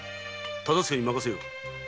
大岡に任せよう。